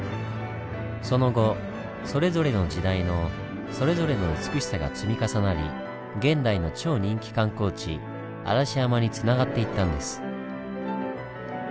その後それぞれの時代のそれぞれの美しさが積み重なり現代の超人気観光地「嵐山」につながっていったんです。